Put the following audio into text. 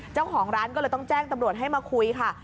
เจ้าของร้านก็เลยต้องแจ้งตำรวจให้มาคุยค่ะ